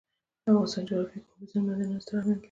د افغانستان جغرافیه کې اوبزین معدنونه ستر اهمیت لري.